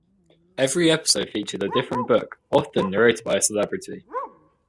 Every episode featured a different book, often narrated by a celebrity.